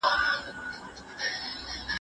دا خط لنډ دئ.